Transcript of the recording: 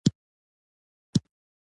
ښه وینا خلک یو موټی کوي.